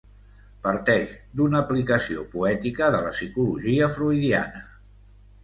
Parteix d'una aplicació poètica de la psicologia freudiana.